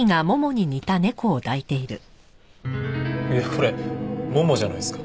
いやこれももじゃないですか。